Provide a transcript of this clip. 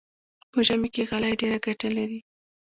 په ژمي کې غالۍ ډېره ګټه لري.